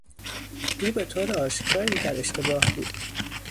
او به طور آشکاری در اشتباه بود.